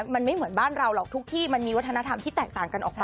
มันไม่เหมือนบ้านเราหรอกทุกที่มันมีวัฒนธรรมที่แตกต่างกันออกมา